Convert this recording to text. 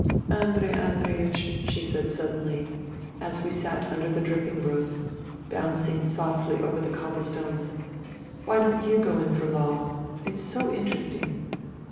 " Andrei Andreiech," she said suddenly, as we sat under the dripping roof, bouncing softly over the cobble stones, " why don't you go in for law ? It's so interesting."